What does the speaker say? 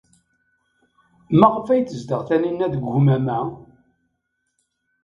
Maɣef ay tezdeɣ Taninna deg ugmam-a?